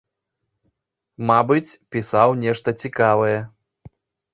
Мабыць, пісаў нешта цікавае.